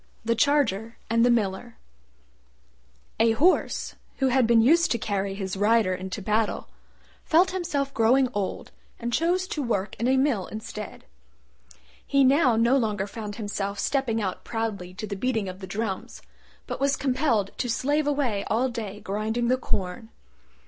THE CHARGER AND THE MILLER A Horse, who had been used to carry his rider into battle, felt himself growing old and chose to work in a mill instead. He now no longer found himself stepping out proudly to the beating of the drums, but was compelled to slave away all day grinding the corn.